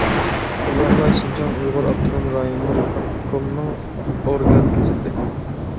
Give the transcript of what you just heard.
شۇنداقلا، شىنجاڭ ئۇيغۇر ئاپتونوم رايونلۇق پارتكومنىڭ ئورگان گېزىتى.